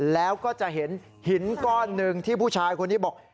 แล้วก็จะเห็นหินก้อนหนึ่งที่ผู้ชายคนนี้บอก